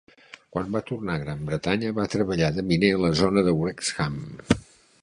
Quan va tornar a Gran Bretanya, va treballar de miner a la zona de Wrexham.